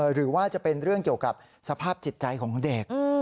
หรือว่าจะเป็นเรื่องเกี่ยวกับสภาพจิตใจของเด็ก